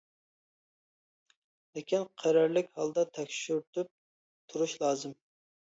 لېكىن قەرەللىك ھالدا تەكشۈرتۈپ تۇرۇش لازىم.